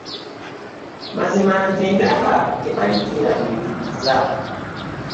Mazima nze ndaba tewali kyeraliikiriza.